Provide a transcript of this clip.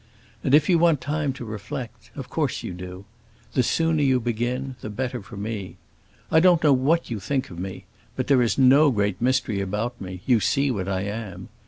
And if you want time to reflect—of course you do—the sooner you begin, the better for me. I don't know what you think of me; but there is no great mystery about me; you see what I am.